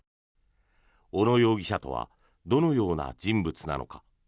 小野容疑者とはどのような人物なのか。